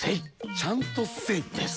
ちゃんとせい？です。